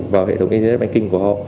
vào hệ thống internet banking của họ